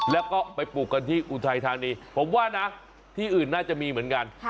แล้วก็ไปปลูกกันที่อุทัยธานีผมว่านะที่อื่นน่าจะมีเหมือนกัน